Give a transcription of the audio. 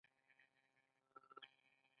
کارګران په یو کال کې څلور زره جوړې بوټان تولیدوي